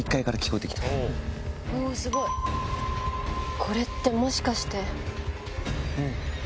これってもしかして。